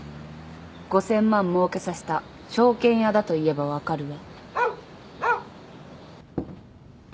５，０００万もうけさせた証券屋だと言えば分かるわ。